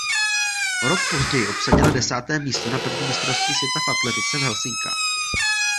O rok později obsadila desáté místo na prvním mistrovství světa v atletice v Helsinkách.